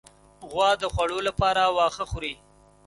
غوا د خوړو لپاره واښه خوري.